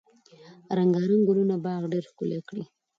رنګارنګ ګلونه باغ ډیر ښکلی کړی.